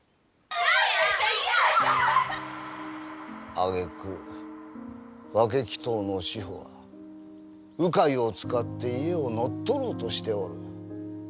あげく分鬼頭の志保は鵜飼を使って家を乗っ取ろうとしておる。